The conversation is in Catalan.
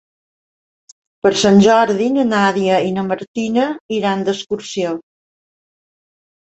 Per Sant Jordi na Nàdia i na Martina iran d'excursió.